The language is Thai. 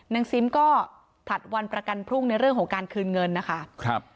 ซิมก็ผลัดวันประกันพรุ่งในเรื่องของการคืนเงินนะคะครับ